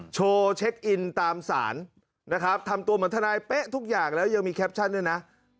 โชว์เช็คอินตามศาลนะครับทำตัวเหมือนทนายเป๊ะทุกอย่างแล้วยังมีแคปชั่นด้วยนะ